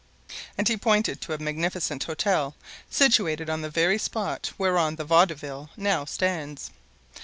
And he pointed to a magnificent hotel situated on the very spot whereon the Vaudeville now stands.